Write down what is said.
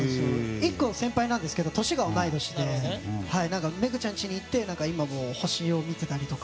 １個先輩なんですけど、同い年でめぐちゃんちに行って今も星を見てたりとか。